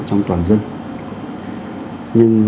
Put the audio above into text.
trong toàn dân